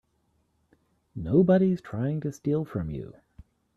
Nobody's trying to steal from you.